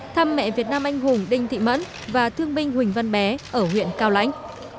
thăm mẹ việt nam anh hùng đinh thị mẫn và thương binh huỳnh văn bé ở huyện cao lãnh